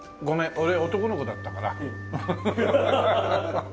俺男の子だったから。